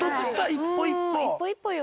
一歩一歩よ。